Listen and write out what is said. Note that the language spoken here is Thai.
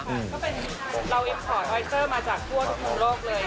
ก็เป็นเราเอ็มพอร์ตออยเซอร์มาจากทั่วทุกมุมโลกเลย